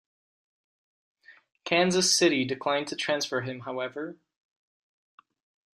Kansas City declined to transfer him, however.